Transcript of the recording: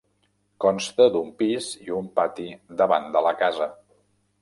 Consta d'un pis i un pati davant de la casa.